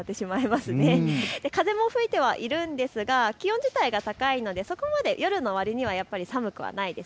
風も吹いてはいるんですが気温自体が高いのでそこまで夜のわりには寒くはないです。